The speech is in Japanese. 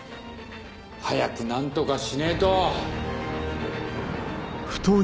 早く何とかしねえと！